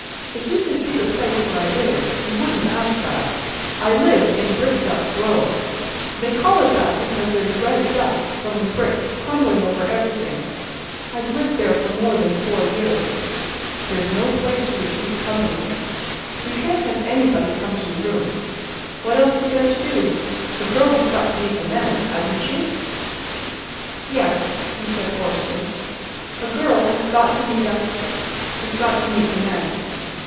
"If you could see the place where I live you wouldn't ask that. I live in Brickdust Row. They call it that because there's red dust from the bricks crumbling over everything. I've lived there for more than four years. There's no place to receive company. You can't have anybody come to your room. What else is there to do? A girl has got to meet the men, hasn't she?" "Yes," he said, hoarsely. "A girl has got to meet a—has got to meet the men."